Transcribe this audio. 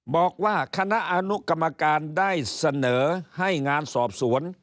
บอกว่าคณะอนุกรรมการได้เสนอให้งานสอบสวน